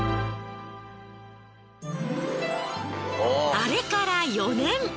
あれから４年。